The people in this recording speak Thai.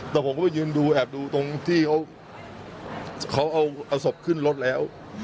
แต่ผมก็ไปยืนดูแอบดูตรงที่เขาเอาศพขึ้นรถแล้ว